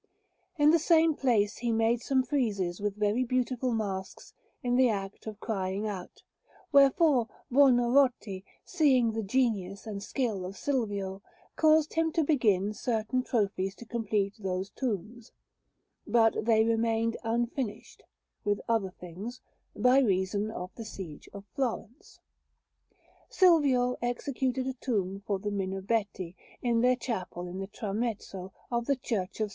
In the same place he made some friezes with very beautiful masks in the act of crying out; wherefore Buonarroti, seeing the genius and skill of Silvio, caused him to begin certain trophies to complete those tombs, but they remained unfinished, with other things, by reason of the siege of Florence. Silvio executed a tomb for the Minerbetti in their chapel in the tramezzo of the Church of S.